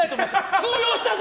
通用したぞ！